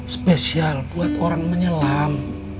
spesial buat orang menyelam